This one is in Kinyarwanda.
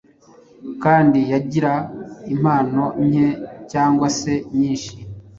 kandi yagira impano nke cyangwa se nyinshi,